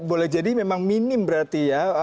boleh jadi memang minim berarti ya